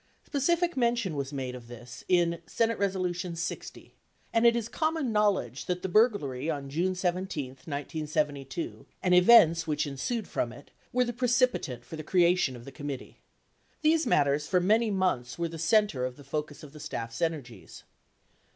Specific mention was made of this in S. Res. 60, and it is common knowdedge that the burglary on June 17, 1972, and events which ensued from it, were the precipitant for the creation of the committee. These matters for many months were the center of focus of the staff's energies.